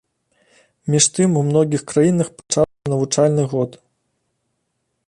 Між тым у многіх краінах пачаўся навучальны год.